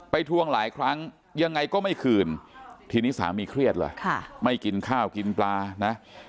ทวงหลายครั้งยังไงก็ไม่คืนทีนี้สามีเครียดเลยไม่กินข้าวกินปลานะ